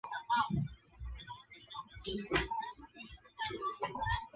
高宗绍兴二年卒。